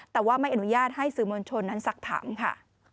แต่ว่าไม่อนุญาตให้สื่อมวลชนนั้นสักถามค่ะ